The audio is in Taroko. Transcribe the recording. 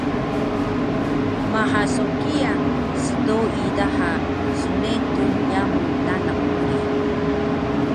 Maha so kiya sdoi daha snetur yamu nanak uri